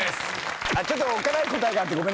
おっかない答えがあってごめん。